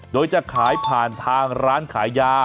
โดยจะขายผ่านทางร้านขายยา